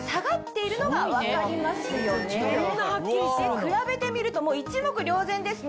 比べてみると一目瞭然ですね。